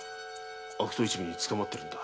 悪党一味に捕まってるんだ。